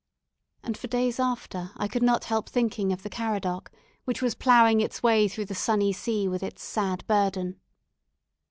And for days after I could not help thinking of the "Caradoc," which was ploughing its way through the sunny sea with its sad burden.